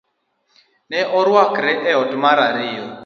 Ne orwakwa e ot mar ariyo